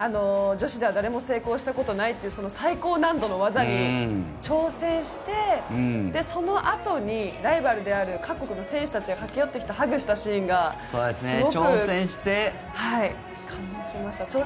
女子では誰も成功したことがないという最高難度の技に挑戦して、そのあとにライバルである各国の選手たちが駆け寄ってきてハグしたシーンがすごく感動しました。